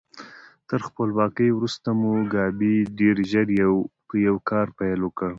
تر خپلواکۍ وروسته موګابي ډېر ژر یو په یو کار پیل کړ.